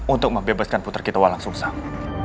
untuk membebaskan putra kita walang sungsang